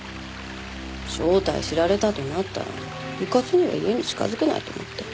正体知られたとなったらうかつには家に近づけないと思って。